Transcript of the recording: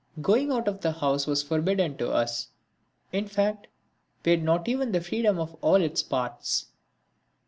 Going out of the house was forbidden to us, in fact we had not even the freedom of all its parts.